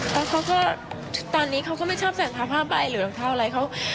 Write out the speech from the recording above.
แล้วเขาก็ตอนนี้เขาก็ไม่ชอบใส่เท้าผ้าใบหรือรองเท้าอะไรเขา